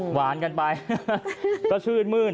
หวานกันไปก็ชื่นมื้น